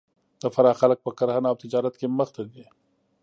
د فراه خلک په کرهنه او تجارت کې مخ ته دي